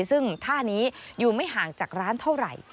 ซึ่งท่านี้อยู่ไม่ห่างจากร้านเท่าไหร่